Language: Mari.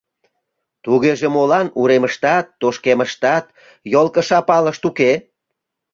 Тугеже молан уремыштат, тошкемыштат йолкыша палышт уке?